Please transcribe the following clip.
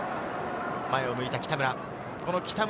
前を向いた北村。